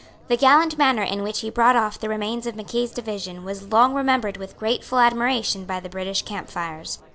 The gallant manner in which he brought off the remains of Mackay's division was long remembered with grateful admiration by the British camp fires.